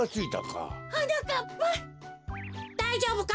だいじょうぶか？